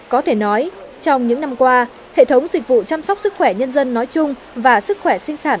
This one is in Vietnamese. có thể nói trong những năm qua hệ thống dịch vụ chăm sóc sức khỏe nhân dân nói chung và sức khỏe nhân dân nói chung